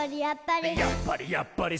「やっぱり！